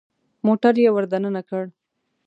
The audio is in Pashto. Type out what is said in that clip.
موټر يې ور دننه کړ.